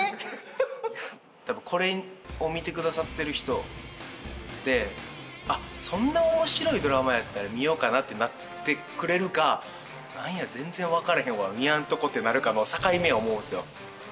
これを見てくださってる人ってそんな面白いドラマやったら見ようかなってなってくれるか何や全然分からへんわ見やんとこってなるかの境目や思うんですよ。